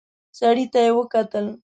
سړي ته يې وکتل.